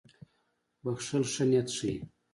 • بښل ښه نیت ښيي.